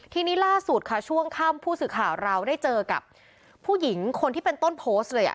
ทีนี้ล่าสุดค่ะช่วงค่ำผู้สื่อข่าวเราได้เจอกับผู้หญิงคนที่เป็นต้นโพสต์เลย